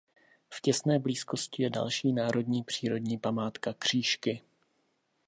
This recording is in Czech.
V těsné blízkosti je další národní přírodní památka Křížky.